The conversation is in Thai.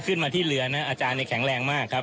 ขึ้นมาที่เรือนะอาจารย์เนี่ยแข็งแรงมากครับ